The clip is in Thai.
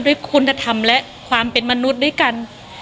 ด้วยคุณธรรมและความเป็นมนุษย์ด้วยกัน